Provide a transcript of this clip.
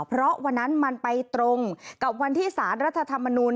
เพราะวันนั้นมันไปตรงกับวันที่สารรัฐธรรมนูล